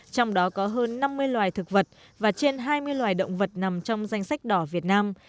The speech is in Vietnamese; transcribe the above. trong đó có hơn năm mươi loài thực vật và trên hai mươi loài động vật nằm trong danh sách đỏ việt nam